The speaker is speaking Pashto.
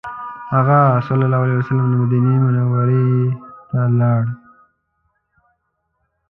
هغه ﷺ له مکې مدینې ته لاړ.